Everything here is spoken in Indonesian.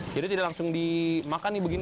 jadi tidak langsung dimakan nih begini